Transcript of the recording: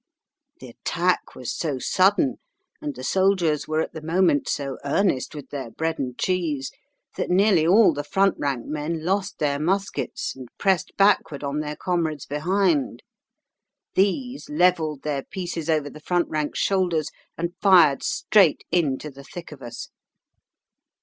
The attack was so sudden, and the soldiers were at the moment so earnest with their bread and cheese, that nearly all the front rank men lost their muskets and pressed backward on their comrades behind. These levelled their pieces over the front rank's shoulders and fired straight into the thick of us.